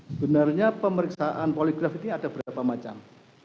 sebenarnya pemeriksaan poligraf ini ada berapa macam